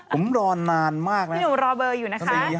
ผมรอนานมากนะครับพี่หนุ่มรอเบอร์อยู่นะคะตั้งแต่อีก๕เดือน